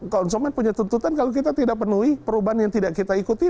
konsumen punya tuntutan kalau kita tidak penuhi perubahan yang tidak kita ikuti